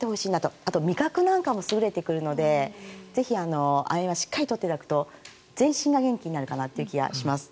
あと味覚なんかも優れてくるので亜鉛はぜひしっかり取っていただくと全身が元気になると思います。